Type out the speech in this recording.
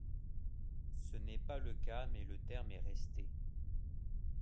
Ce n'est pas le cas mais le terme est resté.